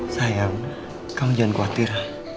sayang kamu jangan khawatir